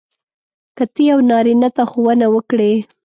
که ته یو نارینه ته ښوونه وکړې.